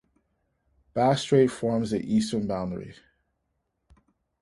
Bass Strait forms the eastern boundary.